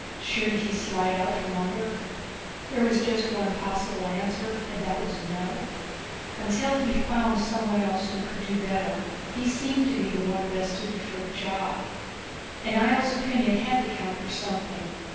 Should he slide out from under? There was just one possible answer, and that was no. Until he found someone else who could do better, he seemed to be the one best suited for the job. And Ihjel's opinion had to count for something.